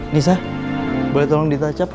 nisa boleh tolong ditacap